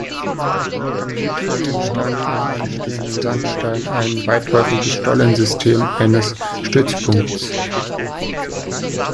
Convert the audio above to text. Am Südhang entstand im anstehenden Sandstein ein weitläufiges Stollensystem eines Stützpunkts.